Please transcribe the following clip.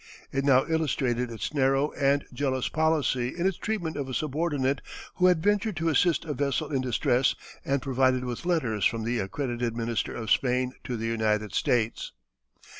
It now illustrated its narrow and jealous policy in its treatment of a subordinate who had ventured to assist a vessel in distress and provided with letters from the accredited minister of Spain to the United States.